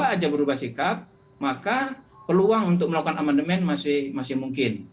kalau aja berubah sikap maka peluang untuk melakukan amandemen masih mungkin